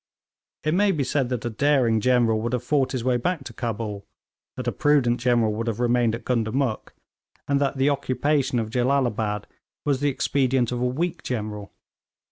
It may be said that a daring general would have fought his way back to Cabul, that a prudent general would have remained at Gundamuk, and that the occupation of Jellalabad was the expedient of a weak general.